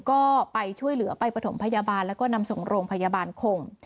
ก็ไปช่วยเหลือไปประถมพยาบาลแล้วก็นำส่งโรงพยาบาลคง